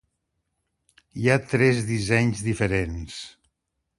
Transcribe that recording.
Hi ha tres dissenys diferents.